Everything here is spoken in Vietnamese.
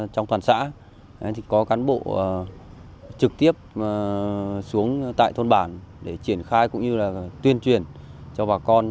trong toàn xã có cán bộ trực tiếp xuống tại thôn bản để triển khai cũng như là tuyên truyền cho bà con